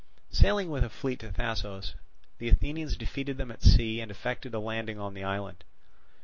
Sailing with a fleet to Thasos, the Athenians defeated them at sea and effected a landing on the island.